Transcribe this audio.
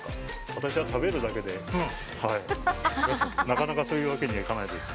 私は食べるだけでなかなかそういうわけにはいかないです。